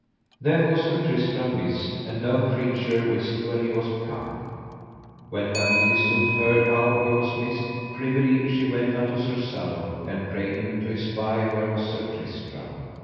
Then was Sir Tristram missed, and no creature wist where he was become. When La Beale Isoud heard how he was missed, privily she went unto Sir Sadok, and prayed him to espy where was Sir Tristram.